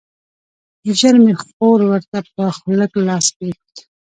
ژر مې خور ورته پر خوله لاس کېښود.